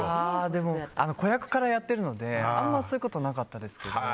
でも、子役からやってるのであんまりそういうことはなかったですけど。